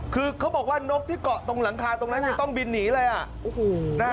คือเขาบอกว่านกที่เกาะตรงหลังคาตรงนั้นต้องบินหนีเลย